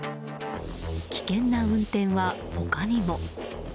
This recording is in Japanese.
危険な運転は他にも。